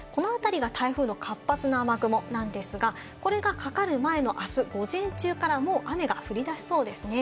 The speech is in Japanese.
この辺りが台風の活発な雨雲なんですが、これがかかる前のあす午前中からもう雨が降り出しそうですね。